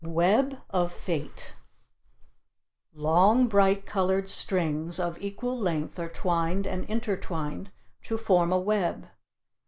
WEB OF FATE Long bright colored strings, of equal length are twined and intertwined to form a web.